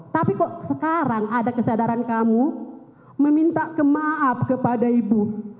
tapi kok sekarang ada kesadaran kamu meminta kemaaf kepada ibu